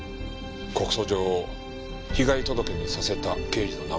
告訴状を被害届にさせた刑事の名前は？